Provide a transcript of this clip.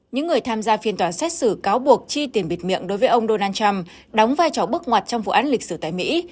những người tham gia phiên tòa xét xử cáo buộc chi tiền bịt miệng đối với ông donald trump đóng vai trò bức ngoặt trong vụ án lịch sử tại mỹ